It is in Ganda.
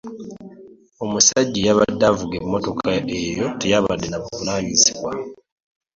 Omusajja eyabadde avuga emmotoka eyo teyabadde na buvunaanyizibwa.